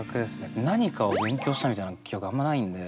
何かを勉強したみたいな記憶があんまないんで。